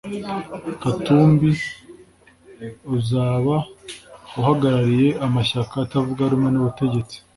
Katumbi uzaba ahagarariye amashyaka atavuga rumwe n’ubutegetsi